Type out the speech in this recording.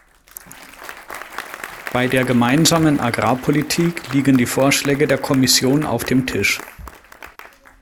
Bei der Gemeinsamen Agrarpolitik liegen die Vorschläge der Kommission auf dem Tisch.